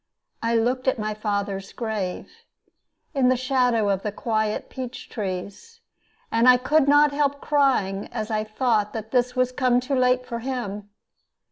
I looked at my father's grave, in the shadow of the quiet peach trees, and I could not help crying as I thought that this was come too late for him.